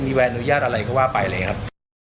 มีแวกนุญาตอะไรก็ว่าไปอะไรอะครับ